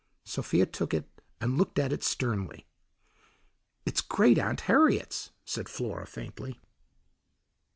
Sophia took it and looked at it sternly. "It's Great aunt Harriet's," said Flora faintly.